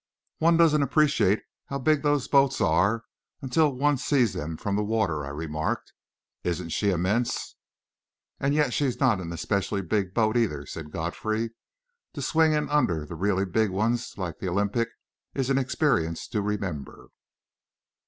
"One doesn't appreciate how big those boats are until one sees them from the water," I remarked. "Isn't she immense?" "And yet she's not an especially big boat, either," said Godfrey. "To swing in under the really big ones like the Olympic is an experience to remember."